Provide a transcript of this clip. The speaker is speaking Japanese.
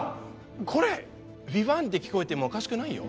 これヴィヴァンって聞こえてもおかしくないよ